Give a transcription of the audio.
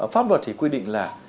pháp luật thì quy định là